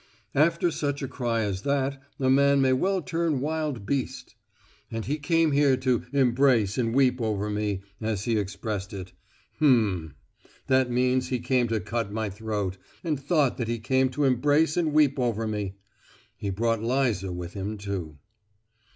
"After such a cry as that a man may well turn wild beast. "And he came here to 'embrace and weep over me,' as he expressed it. H'm! that means he came to cut my throat, and thought that he came to embrace and weep over me. He brought Liza with him, too.